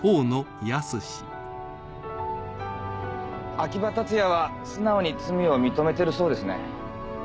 秋葉達也は素直に罪を認めてるそうですね。